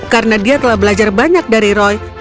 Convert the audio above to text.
karena dia telah belajar banyak dari roy